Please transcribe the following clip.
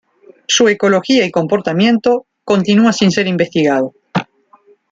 Su ecología y comportamiento continúa sin ser investigado.